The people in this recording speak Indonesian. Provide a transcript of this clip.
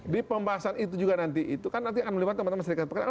di pembahasan itu juga nanti itu kan nanti akan melibatkan teman teman serikat pekerja